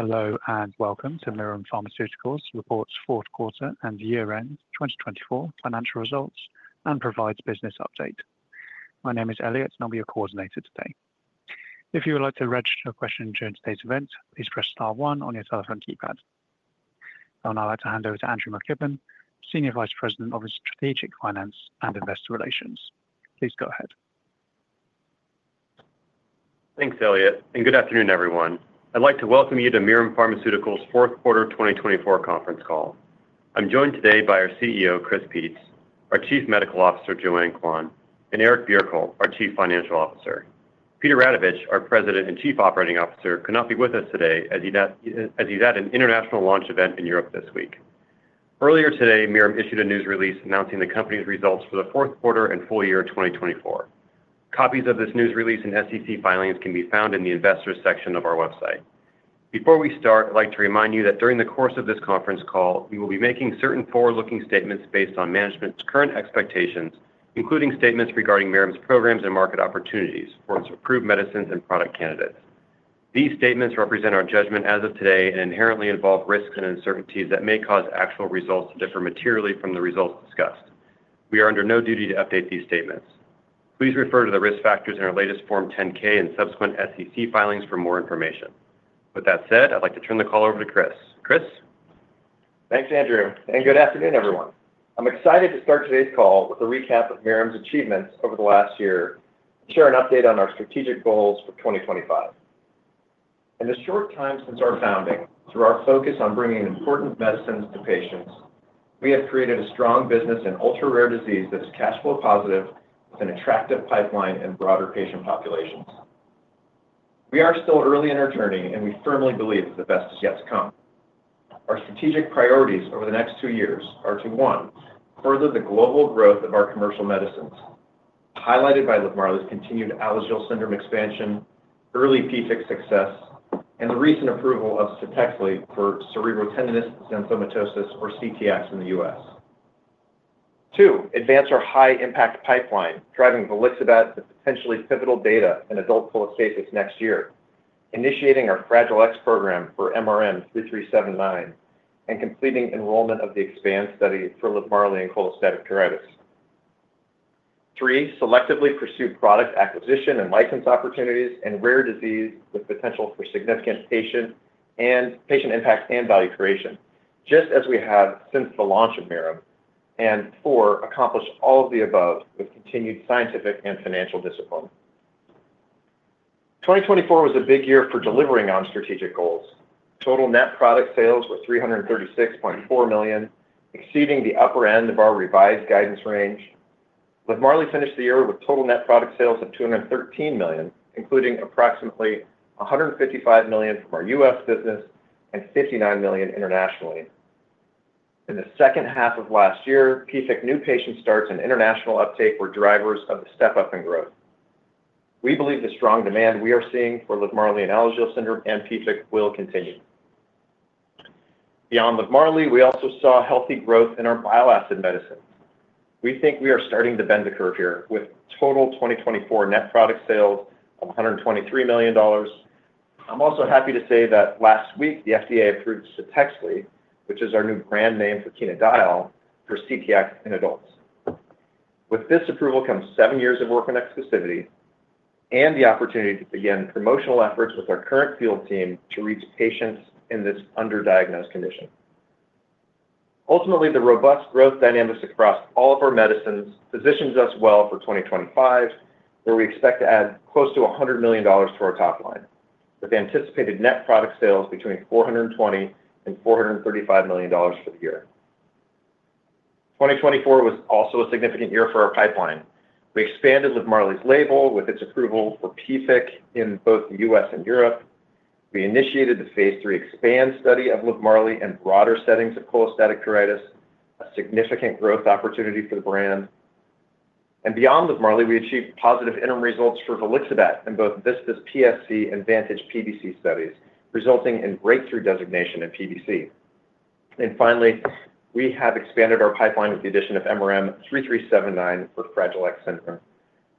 Hello and welcome to Mirum Pharmaceuticals reports fourth quarter and year-end 2024 financial results and provides business update. My name is Elliott, and I'll be your coordinator today. If you would like to register a question during today's event, please press star one on your telephone keypad. I'd now like to hand over to Andrew McKibben, Senior Vice President of Strategic Finance and Investor Relations. Please go ahead. Thanks, Elliott, and good afternoon, everyone. I'd like to welcome you to Mirum Pharmaceuticals' fourth quarter 2024 conference call. I'm joined today by our CEO, Chris Peetz, our Chief Medical Officer, Joanne Quan, and Eric Bjerkholt, our Chief Financial Officer. Peter Radovich, our President and Chief Operating Officer, could not be with us today as he's at an international launch event in Europe this week. Earlier today, Mirum issued a news release announcing the company's results for the fourth quarter and full year 2024. Copies of this news release and SEC filings can be found in the investors' section of our website. Before we start, I'd like to remind you that during the course of this conference call, we will be making certain forward-looking statements based on management's current expectations, including statements regarding Mirum's programs and market opportunities for its approved medicines and product candidates. These statements represent our judgment as of today and inherently involve risks and uncertainties that may cause actual results to differ materially from the results discussed. We are under no duty to update these statements. Please refer to the risk factors in our latest Form 10-K and subsequent SEC filings for more information. With that said, I'd like to turn the call over to Chris. Chris? Thanks, Andrew, and good afternoon, everyone. I'm excited to start today's call with a recap of Mirum's achievements over the last year and share an update on our strategic goals for 2025. In the short time since our founding, through our focus on bringing important medicines to patients, we have created a strong business in ultra-rare disease that is cash flow positive, with an attractive pipeline and broader patient populations. We are still early in our journey, and we firmly believe that the best is yet to come. Our strategic priorities over the next two years are to, one, further the global growth of our commercial medicines, highlighted by LIVMARLI's continued Alagille syndrome expansion, early PFIC success, and the recent approval of CTEXLI for Cerebrotendinous xanthomatosis, or CTX, in the U.S. Two, advance our high-impact pipeline, driving Volixibat, the potentially pivotal data in adult cholestasis next year, initiating our Fragile X program for MRM-3379, and completing enrollment of the EXPAND study for LIVMARLI and cholestatic pruritus. Three, selectively pursue product acquisition and license opportunities in rare disease with potential for significant patient impact and value creation, just as we have since the launch of Mirum, and four, accomplish all of the above with continued scientific and financial discipline. 2024 was a big year for delivering on strategic goals. Total net product sales were $336.4 million, exceeding the upper end of our revised guidance range. LIVMARLI finished the year with total net product sales of $213 million, including approximately $155 million from our U.S. business and $59 million internationally. In the second half of last year, PFIC new patient starts and international uptake were drivers of the step-up in growth. We believe the strong demand we are seeing for LIVMARLI and Alagille syndrome and PFIC will continue. Beyond LIVMARLI, we also saw healthy growth in our bile acid medicines. We think we are starting to bend the curve here, with total 2024 net product sales of $123 million. I'm also happy to say that last week, the FDA approved CTEXLI, which is our new brand name for chenodiol, for CTX in adults. With this approval comes seven years of work and exclusivity and the opportunity to begin promotional efforts with our current field team to reach patients in this underdiagnosed condition. Ultimately, the robust growth dynamics across all of our medicines positions us well for 2025, where we expect to add close to $100 million to our top line, with anticipated net product sales between $420 and $435 million for the year. 2024 was also a significant year for our pipeline. We expanded LIVMARLI's label with its approval for PFIC in both the U.S. and Europe. We initiated Phase III EXPAND study of LIVMARLI in broader settings of cholestatic pruritus, a significant growth opportunity for the brand. And beyond LIVMARLI, we achieved positive interim results for Volixibat in both VISTAS PSC and VANTAGE PBC studies, resulting in breakthrough designation in PBC. And finally, we have expanded our pipeline with the addition of MRM-3379 for Fragile X syndrome.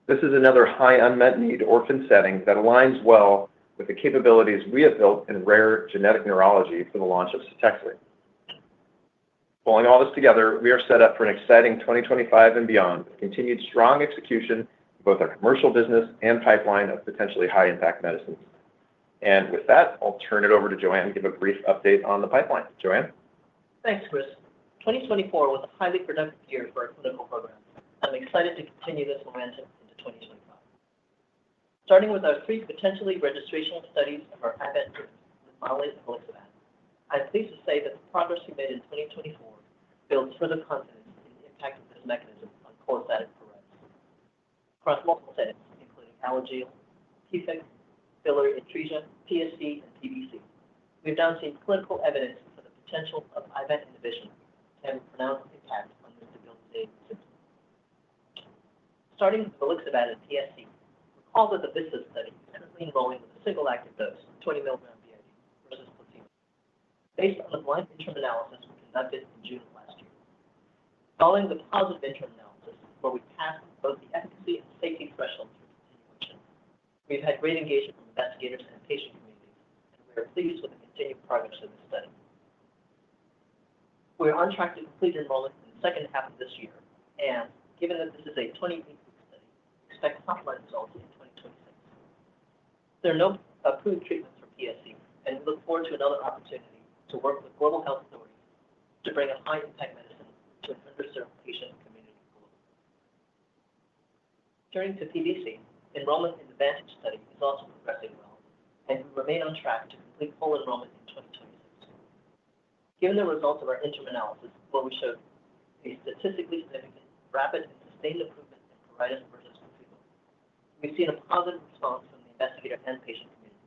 This is another high unmet need orphan setting that aligns well with the capabilities we have built in rare genetic neurology for the launch of CTEXLI. Pulling all this together, we are set up for an exciting 2025 and beyond with continued strong execution in both our commercial business and pipeline of potentially high-impact medicines. And with that, I'll turn it over to Joanne to give a brief update on the pipeline. Joanne? Thanks, Chris. 2024 was a highly productive year for our clinical program. I'm excited to continue this momentum into 2025. Starting with our three potentially registrational studies of our advanced treatments with LIVMARLI and Volixibat, I'm pleased to say that the progress we made in 2024 builds further confidence in the impact of this mechanism on cholestatic pruritus across multiple settings, including Alagille, PFIC, biliary atresia, PSC, and PBC. We've now seen clinical evidence for the potential of IBAT inhibition to have a pronounced impact on this debilitating symptom. Starting with Volixibat and PSC, recall that the VISTAS study was currently enrolling with a single active dose, 20 mg BID. versus placebo, based on the blinded interim analysis we conducted in June of last year. Following the positive interim analysis, where we passed both the efficacy and safety thresholds for continuation, we've had great engagement from investigators and patient communities, and we are pleased with the continued progress of this study. We are on track to complete enrollment in the second half of this year, and given that this is a 20-week study, we expect top-line results in 2026. There are no approved treatments for PSC, and we look forward to another opportunity to work with global health authorities to bring a high-impact medicine to an underserved patient community globally. Turning to PBC, enrollment in the VANTAGE study is also progressing well, and we remain on track to complete full enrollment in 2026. Given the results of our interim analysis, where we showed a statistically significant, rapid, and sustained improvement in pruritus versus placebo, we've seen a positive response from the investigator and patient community.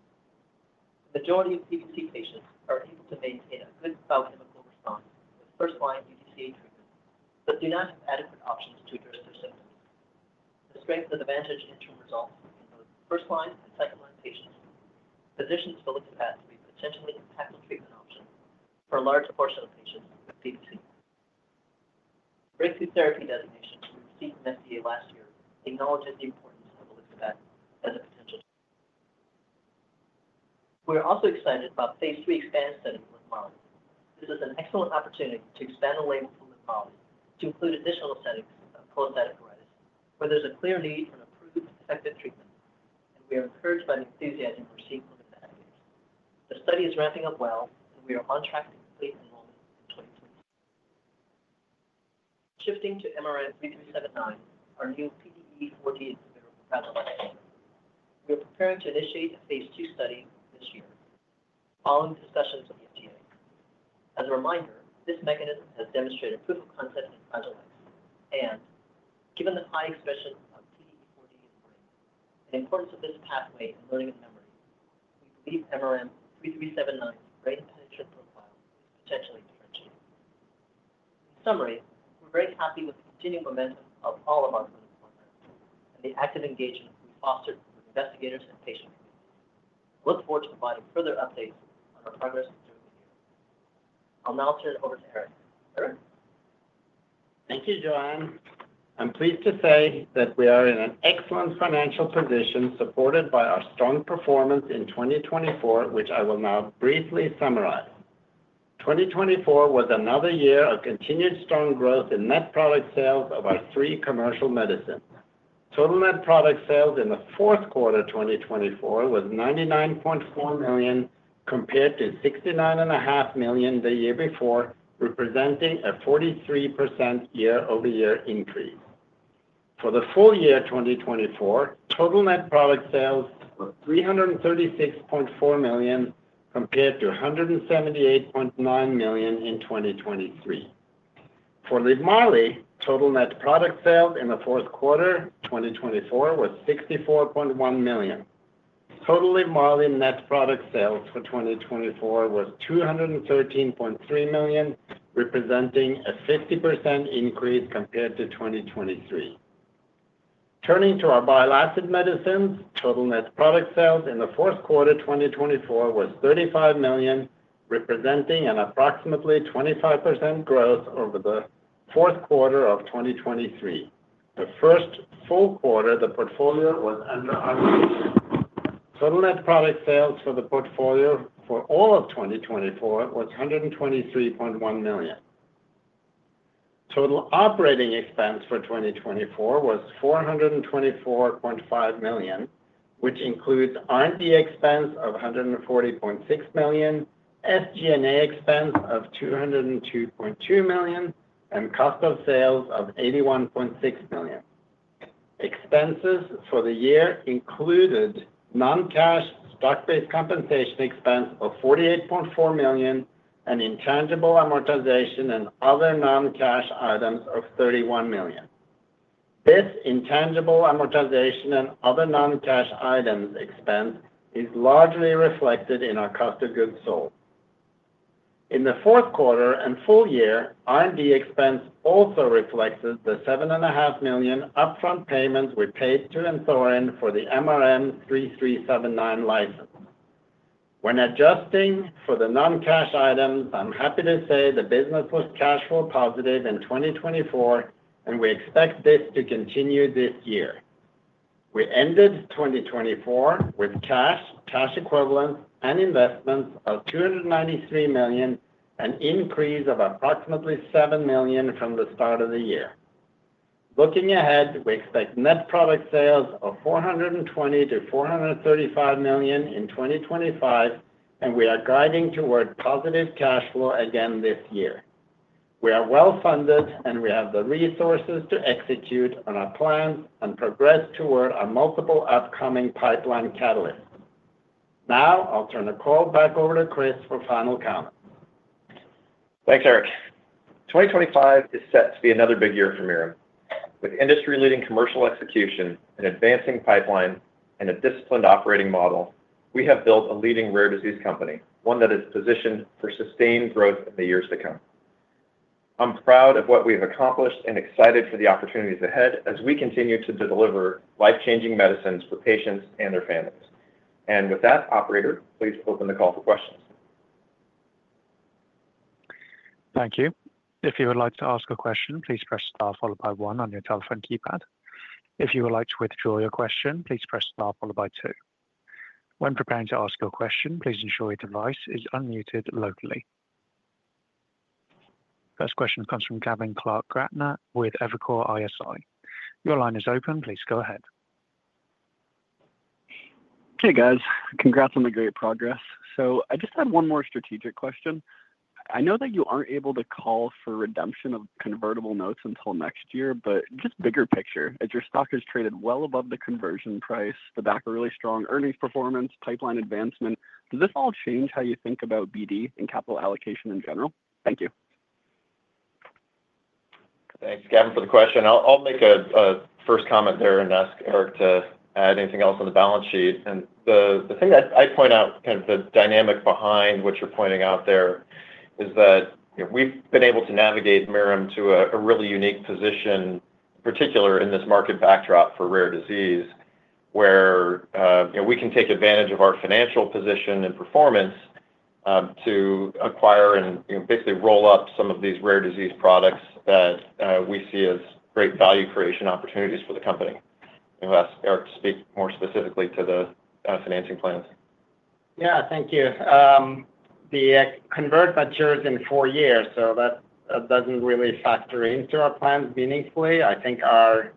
The majority of PBC patients are able to maintain a good biochemical response with first-line UDCA treatment but do not have adequate options to address their symptoms. The strength of the VANTAGE interim results in both first-line and second-line patients positions Volixibat to be a potentially impactful treatment option for a large portion of patients with PBC. Breakthrough therapy designation we received from FDA last year acknowledges the importance of Volixibat as a potential treatment. We are also excited Phase III EXPAND study with LIVMARLI. This is an excellent opportunity to expand the label for LIVMARLI to include additional settings of cholestatic pruritus, where there's a clear need for an approved effective treatment, and we are encouraged by the enthusiasm we're seeing from investigators. The study is ramping up well, and we are on track to complete enrollment in 2026. Shifting to MRM-3379, our new PDE4D inhibitor for Fragile X syndrome, we are preparing to initiate a Phase II study this year, following discussions with the FDA. As a reminder, this mechanism has demonstrated proof of concept in Fragile X, and given the high expression of PDE4D in the brain and the importance of this pathway in learning and memory, we believe MRM-3379's brain penetration profile is potentially differentiating. In summary, we're very happy with the continued momentum of all of our clinical programs and the active engagement we've fostered with investigators and patient communities. We look forward to providing further updates on our progress during the year. I'll now turn it over to Eric. Eric. Thank you, Joanne. I'm pleased to say that we are in an excellent financial position, supported by our strong performance in 2024, which I will now briefly summarize. 2024 was another year of continued strong growth in net product sales of our three commercial medicines. Total net product sales in the fourth quarter 2024 was $99.4 million, compared to $69.5 million the year before, representing a 43% year-over-year increase. For the full year 2024, total net product sales were $336.4 million, compared to $178.9 million in 2023. For LIVMARLI, total net product sales in the fourth quarter 2024 was $64.1 million. Total LIVMARLI net product sales for 2024 was $213.3 million, representing a 50% increase compared to 2023. Turning to our bile acid medicines, total net product sales in the fourth quarter 2024 was $35 million, representing an approximately 25% growth over the fourth quarter of 2023. The first full quarter, the portfolio was under observation. Total net product sales for the portfolio for all of 2024 was $123.1 million. Total operating expense for 2024 was $424.5 million, which includes R&D expense of $140.6 million, SG&A expense of $202.2 million, and cost of sales of $81.6 million. Expenses for the year included non-cash stock-based compensation expense of $48.4 million, and intangible amortization and other non-cash items of $31 million. This intangible amortization and other non-cash items expense is largely reflected in our cost of goods sold. In the fourth quarter and full year, R&D expense also reflects the $7.5 million upfront payments we paid to a vendor for the MRM-3379 license. When adjusting for the non-cash items, I'm happy to say the business was cash flow positive in 2024, and we expect this to continue this year. We ended 2024 with cash, cash equivalents, and investments of $293 million, an increase of approximately $7 million from the start of the year. Looking ahead, we expect net product sales of $420 million-$435 million in 2025, and we are guiding toward positive cash flow again this year. We are well funded, and we have the resources to execute on our plans and progress toward our multiple upcoming pipeline catalysts. Now, I'll turn the call back over to Chris for final comments. Thanks, Eric. 2025 is set to be another big year for Mirum. With industry-leading commercial execution, an advancing pipeline, and a disciplined operating model, we have built a leading rare disease company, one that is positioned for sustained growth in the years to come. I'm proud of what we've accomplished and excited for the opportunities ahead as we continue to deliver life-changing medicines for patients and their families. And with that, operator, please open the call for questions. Thank you. If you would like to ask a question, please press star followed by one on your telephone keypad. If you would like to withdraw your question, please press star followed by two. When preparing to ask your question, please ensure your device is unmuted locally. First question comes from Gavin Clark-Gartner with Evercore ISI. Your line is open. Please go ahead. Hey, guys. Congrats on the great progress. So I just had one more strategic question. I know that you aren't able to call for redemption of convertible notes until next year, but just bigger picture, as your stock has traded well above the conversion price, the back of really strong earnings performance, pipeline advancement, does this all change how you think about BD and capital allocation in general? Thank you. Thanks, Gavin, for the question. I'll make a first comment there and ask Eric to add anything else on the balance sheet. And the thing I'd point out, kind of the dynamic behind what you're pointing out there is that we've been able to navigate Mirum to a really unique position, particularly in this market backdrop for rare disease, where we can take advantage of our financial position and performance to acquire and basically roll up some of these rare disease products that we see as great value creation opportunities for the company. I'll ask Eric to speak more specifically to the financing plans. Yeah, thank you. The convert matures in four years, so that doesn't really factor into our plans meaningfully. I think our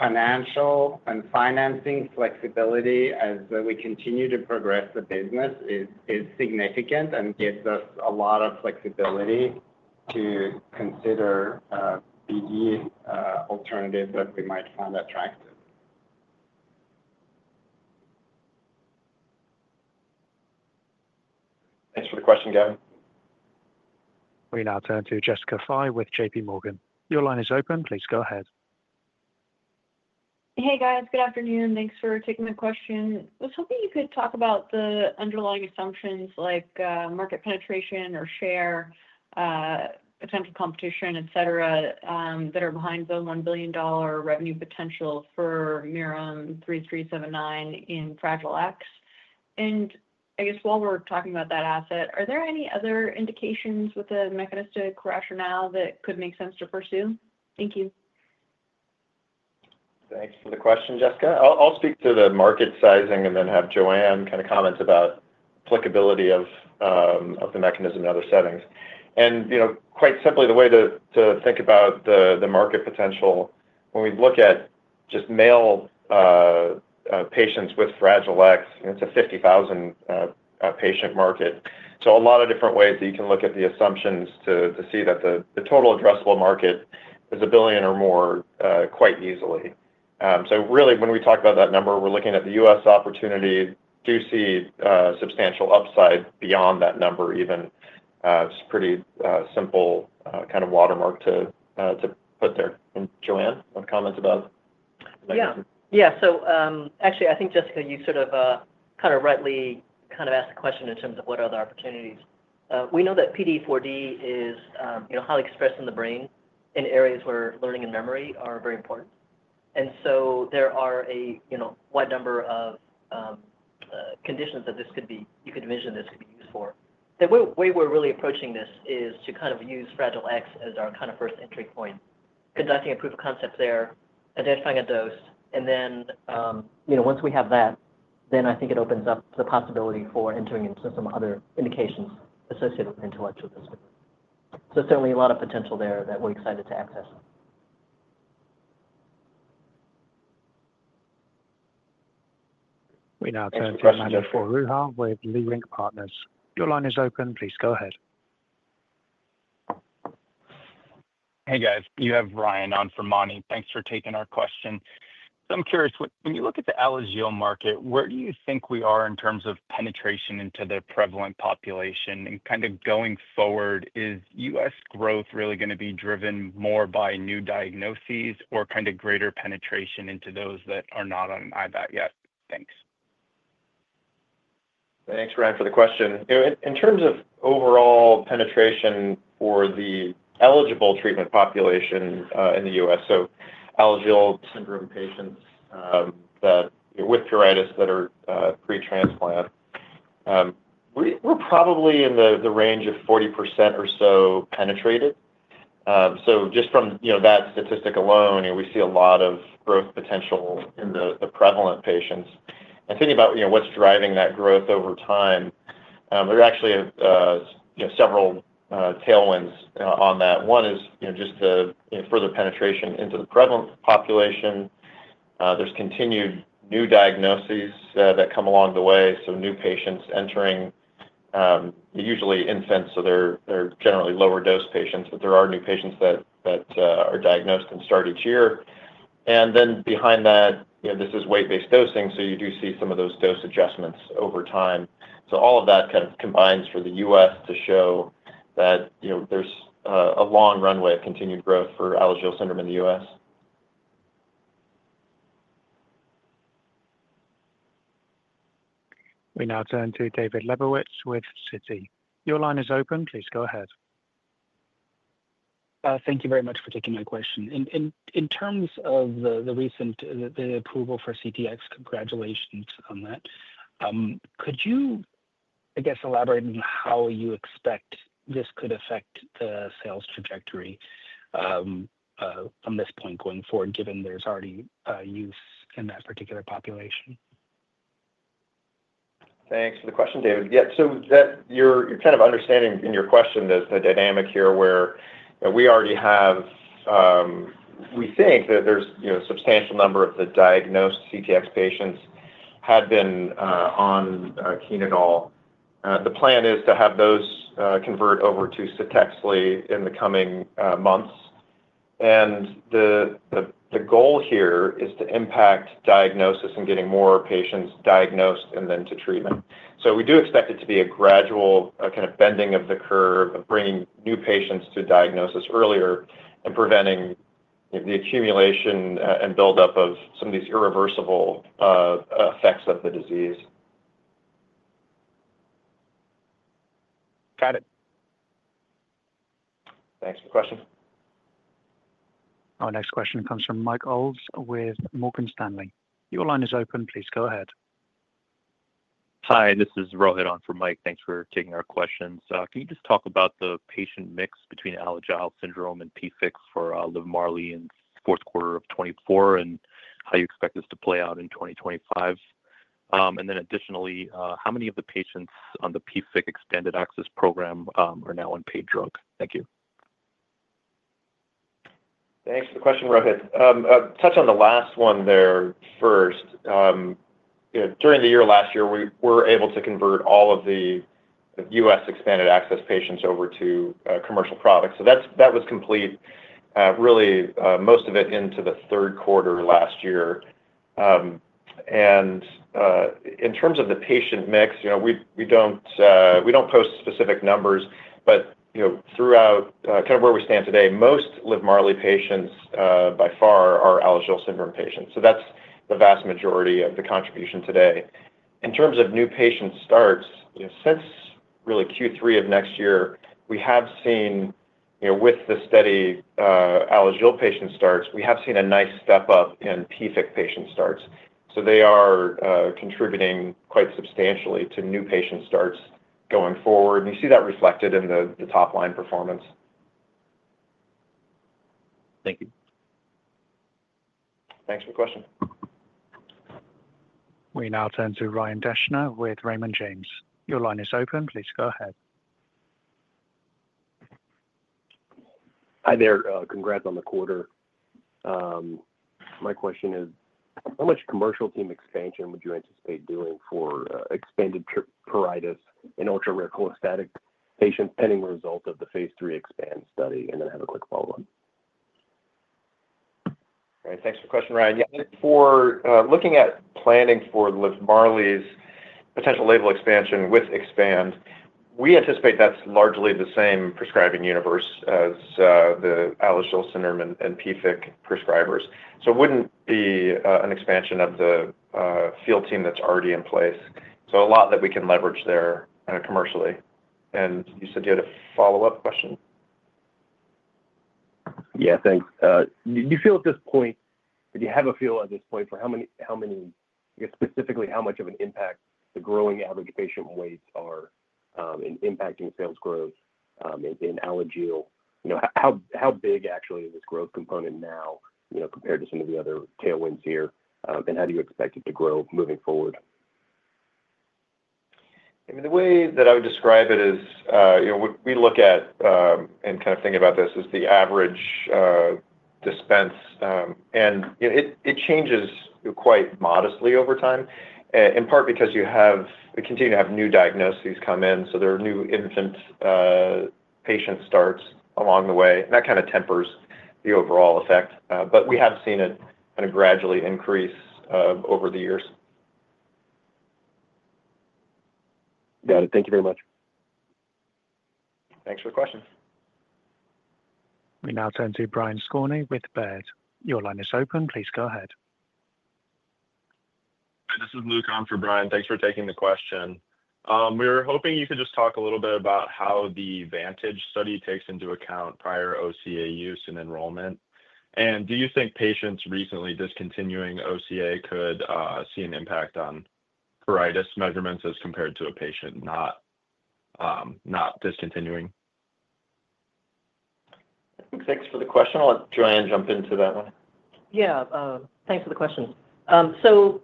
financial and financing flexibility, as we continue to progress the business, is significant and gives us a lot of flexibility to consider BD alternatives that we might find attractive. Thanks for the question, Gavin. We now turn to Jessica Fye with JPMorgan. Your line is open. Please go ahead. Hey, guys. Good afternoon. Thanks for taking the question. I was hoping you could talk about the underlying assumptions like market penetration or share, potential competition, etc., that are behind the $1 billion revenue potential for MRM-3379 in Fragile X. And I guess while we're talking about that asset, are there any other indications with the mechanistic rationale that could make sense to pursue? Thank you. Thanks for the question, Jessica. I'll speak to the market sizing and then have Joanne kind of comment about applicability of the mechanism in other settings. And quite simply, the way to think about the market potential, when we look at just male patients with Fragile X, it's a 50,000 patient market. So a lot of different ways that you can look at the assumptions to see that the total addressable market is $1 billion or more quite easily. So really, when we talk about that number, we're looking at the U.S. opportunity. Do see substantial upside beyond that number even. It's a pretty simple kind of watermark to put there. And Joanne, you want to comment about the mechanism? Yeah. Yeah. So actually, I think, Jessica, you sort of kind of rightly kind of asked the question in terms of what are the opportunities. We know that PDE4D is highly expressed in the brain in areas where learning and memory are very important. And so there are a wide number of conditions that this could be you could envision this could be used for. The way we're really approaching this is to kind of use Fragile X as our kind of first entry point, conducting a proof of concept there, identifying a dose, and then once we have that, then I think it opens up the possibility for entering into some other indications associated with intellectual disability. So certainly a lot of potential there that we're excited to access. We now turn to Mani Foroohar with Leerink Partners. Your line is open. Please go ahead. Hey, guys. You have Ryan on for Mani. Thanks for taking our question. So I'm curious, when you look at the Alagille market, where do you think we are in terms of penetration into the prevalent population? And kind of going forward, is U.S. growth really going to be driven more by new diagnoses or kind of greater penetration into those that are not on a Kasai yet? Thanks. Thanks, Ryan, for the question. In terms of overall penetration for the eligible treatment population in the U.S., so Alagille syndrome patients with pruritus that are pre-transplant, we're probably in the range of 40% or so penetrated. So just from that statistic alone, we see a lot of growth potential in the prevalent patients. And thinking about what's driving that growth over time, there are actually several tailwinds on that. One is just the further penetration into the prevalent population. There's continued new diagnoses that come along the way, so new patients entering, usually infants, so they're generally lower dose patients, but there are new patients that are diagnosed and start each year. And then behind that, this is weight-based dosing, so you do see some of those dose adjustments over time. So all of that kind of combines for the U.S. to show that there's a long runway of continued growth for Alagille syndrome in the U.S. We now turn to David Lebowitz with Citi. Your line is open. Please go ahead. Thank you very much for taking my question. In terms of the recent approval for CTX, congratulations on that. Could you, I guess, elaborate on how you expect this could affect the sales trajectory from this point going forward, given there's already use in that particular population? Thanks for the question, David. Yeah. So you're kind of understanding in your question the dynamic here where we already have, we think that there's a substantial number of the diagnosed CTX patients had been on Chenodal. The plan is to have those convert over to CTEXLI in the coming months. And the goal here is to impact diagnosis and getting more patients diagnosed and then to treatment. So we do expect it to be a gradual kind of bending of the curve of bringing new patients to diagnosis earlier and preventing the accumulation and buildup of some of these irreversible effects of the disease. Got it. Thanks for the question. Our next question comes from Mike Ulz with Morgan Stanley. Your line is open. Please go ahead. Hi, this is Rohit on for Mike. Thanks for taking our questions. Can you just talk about the patient mix between Alagille syndrome and PFIC for LIVMARLI in the fourth quarter of 2024 and how you expect this to play out in 2025? And then additionally, how many of the patients on the PFIC extended access program are now on paid drug? Thank you. Thanks for the question, Rohit. I'll touch on the last one there first. During the year last year, we were able to convert all of the U.S. expanded access patients over to commercial products. So that was complete, really most of it into the third quarter last year. And in terms of the patient mix, we don't post specific numbers, but throughout kind of where we stand today, most LIVMARLI patients by far are Alagille syndrome patients. So that's the vast majority of the contribution today. In terms of new patient starts, since really Q3 of last year, we have seen with the steady Alagille patient starts, we have seen a nice step up in PFIC patient starts. So they are contributing quite substantially to new patient starts going forward. And you see that reflected in the top line performance. Thank you. Thanks for the question. We now turn to Ryan Deschner with Raymond James. Your line is open. Please go ahead. Hi there. Congrats on the quarter. My question is, how much commercial team expansion would you anticipate doing for expanded pruritus in ultra-rare cholestatic patients pending results of Phase III EXPAND study? And then I have a quick follow-up. Thanks for the question, Ryan. For looking at planning for LIVMARLI's potential label expansion with expand, we anticipate that's largely the same prescribing universe as the Alagille syndrome and PFIC prescribers. So it wouldn't be an expansion of the field team that's already in place. So a lot that we can leverage there commercially. And you said you had a follow-up question? Yeah, thanks. Do you feel at this point, do you have a feel at this point for how many, specifically how much of an impact the growing average patient weights are in impacting sales growth in Alagille? How big actually is this growth component now compared to some of the other tailwinds here? And how do you expect it to grow moving forward? I mean, the way that I would describe it is we look at and kind of think about this as the average dispense, and it changes quite modestly over time, in part because you continue to have new diagnoses come in, so there are new infant patient starts along the way, and that kind of tempers the overall effect, but we have seen it kind of gradually increase over the years. Got it. Thank you very much. Thanks for the question. We now turn to Brian Skorney with Baird. Your line is open. Please go ahead. This is Luke on for Brian. Thanks for taking the question. We were hoping you could just talk a little bit about how the VANTAGE study takes into account prior OCA use and enrollment, and do you think patients recently discontinuing OCA could see an impact on pruritus measurements as compared to a patient not discontinuing? Thanks for the question. I'll let Joanne jump into that one. Yeah. Thanks for the question. So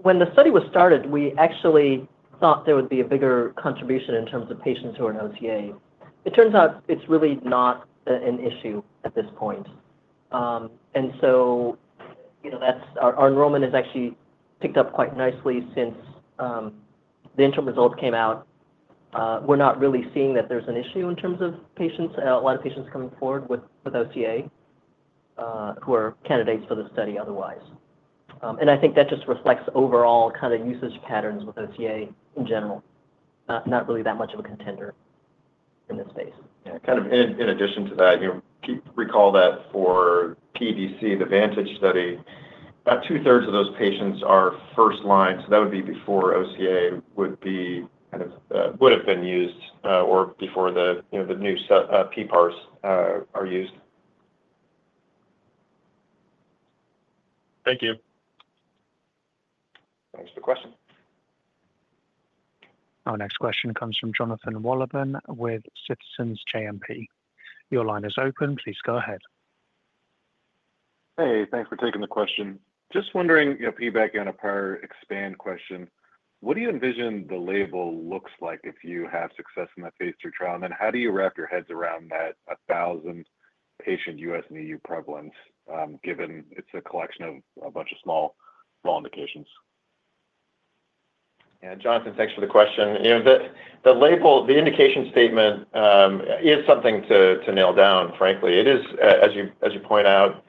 when the study was started, we actually thought there would be a bigger contribution in terms of patients who are in OCA. It turns out it's really not an issue at this point. And so our enrollment has actually picked up quite nicely since the interim results came out. We're not really seeing that there's an issue in terms of patients, a lot of patients coming forward with OCA who are candidates for the study otherwise. And I think that just reflects overall kind of usage patterns with OCA in general, not really that much of a contender in this space. Yeah. Kind of in addition to that, recall that for PBC, the VANTAGE study, about 2/3 of those patients are first line. So that would be before OCA would have been used or before the new PPARs are used. Thank you. Thanks for the question. Our next question comes from Jonathan Wolleben with Citizens JMP. Your line is open. Please go ahead. Hey, thanks for taking the question. Just wondering, piggybacking on a prior expanded question, what do you envision the label looks like if you have success in Phase III trial? And then how do you wrap your heads around that 1,000 patient U.S. and EU prevalence given it's a collection of a bunch of small indications? Yeah. Jonathan, thanks for the question. The indication statement is something to nail down, frankly. As you point out,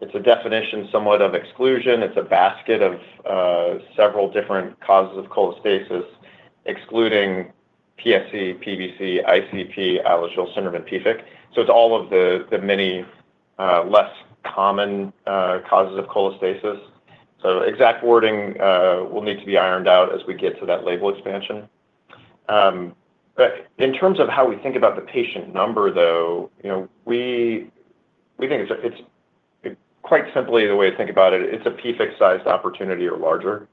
it's a definition somewhat of exclusion. It's a basket of several different causes of cholestasis, excluding PSC, PBC, ICP, Alagille syndrome, and PFIC. So it's all of the many less common causes of cholestasis. So exact wording will need to be ironed out as we get to that label expansion. In terms of how we think about the patient number, though, we think it's quite simply the way to think about it. It's a PFIC-sized opportunity or larger.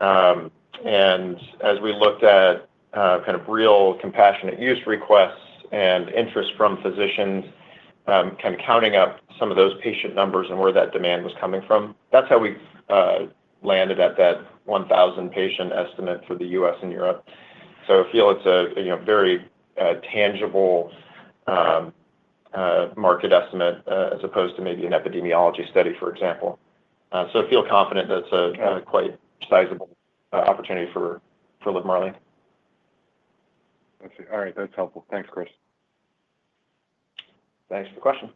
And as we looked at kind of real compassionate use requests and interest from physicians kind of counting up some of those patient numbers and where that demand was coming from, that's how we landed at that 1,000 patient estimate for the U.S. and Europe. So I feel it's a very tangible market estimate as opposed to maybe an epidemiology study, for example. So I feel confident that it's a quite sizable opportunity for LIVMARLI. I see. All right. That's helpful. Thanks, Chris. Thanks for the question.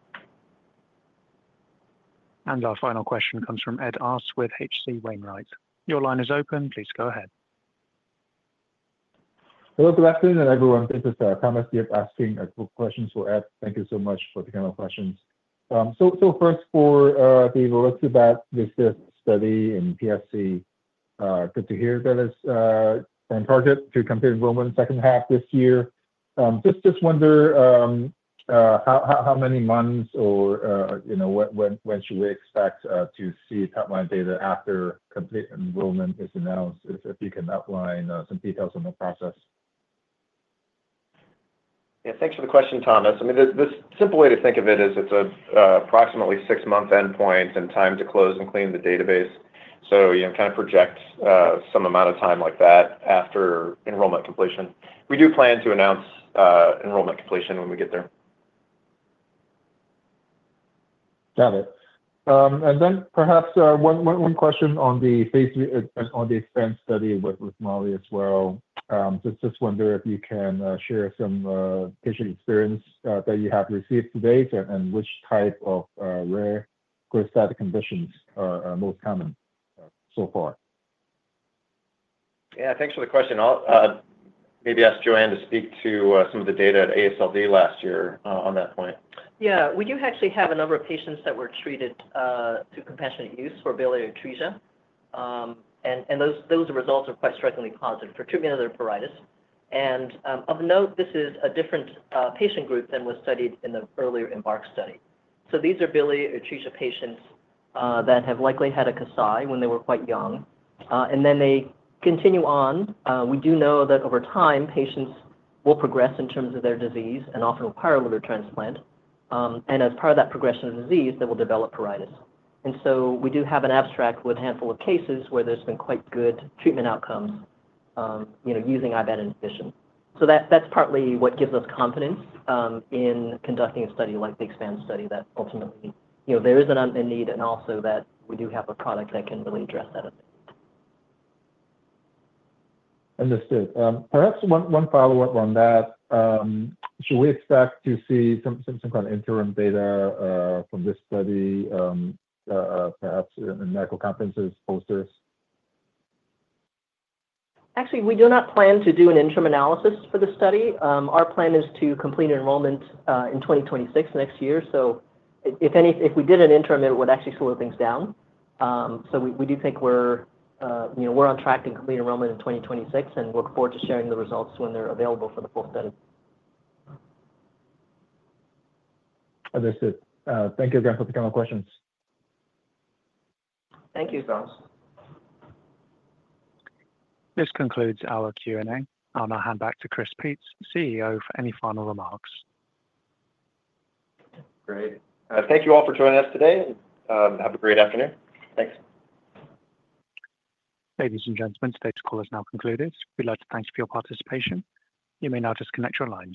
Our final question comes from Ed Arce with H.C. Wainwright. Your line is open. Please go ahead. Hello, good afternoon, everyone. This is Thomas, here asking a group of questions for Ed. Thank you so much for taking our questions. So first, for the Volixibat this study in PFIC, good to hear that it's on target to complete enrollment in the second half this year. Just wonder how many months or when should we expect to see top-line data after complete enrollment is announced? If you can outline some details on the process. Yeah. Thanks for the question, Thomas. I mean, the simple way to think of it is it's approximately six-month endpoint and time to close and clean the database. So you can kind of project some amount of time like that after enrollment completion. We do plan to announce enrollment completion when we get there. Got it. And then perhaps one question on Phase III on the EXPAND study with LIVMARLI as well. Just wonder if you can share some patient experience that you have received to date and which type of rare cholestatic conditions are most common so far. Yeah. Thanks for the question. I'll maybe ask Joanne to speak to some of the data at AASLD last year on that point. Yeah. We do actually have a number of patients that were treated through compassionate use for biliary atresia. And those results are quite strikingly positive for treatment of their pruritus. And of note, this is a different patient group than was studied in the earlier EMBARK study. So these are biliary atresia patients that have likely had a Kasai when they were quite young. And then they continue on. We do know that over time, patients will progress in terms of their disease and often require liver transplant. And as part of that progression of disease, they will develop pruritus. And so we do have an abstract with a handful of cases where there's been quite good treatment outcomes using IBAT inhibition. So that's partly what gives us confidence in conducting a study like the EXPAND study that ultimately there is a need and also that we do have a product that can really address that. Understood. Perhaps one follow-up on that. Should we expect to see some kind of interim data from this study, perhaps in medical conferences, posters? Actually, we do not plan to do an interim analysis for the study. Our plan is to complete enrollment in 2026, next year. So if we did an interim, it would actually slow things down. So we do think we're on track to complete enrollment in 2026 and look forward to sharing the results when they're available for the full study. Understood. Thank you again for the kind questions. Thank you, Thomas. This concludes our Q&A. I'll now hand back to Chris Peetz, CEO, for any final remarks. Great. Thank you all for joining us today. Have a great afternoon. Thanks. Ladies and gentlemen, today's call is now concluded. We'd like to thank you for your participation. You may now disconnect your lines.